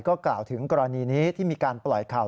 ก็กล่าวถึงกรณีนี้ที่มีการปล่อยข่าว